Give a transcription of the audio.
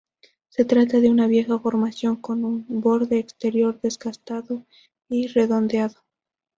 Se trata de una vieja formación con un borde exterior desgastado y redondeado.